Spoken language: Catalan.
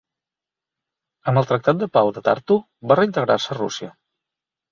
Amb el Tractat de Pau de Tartu, va reintegrar-se a Rússia.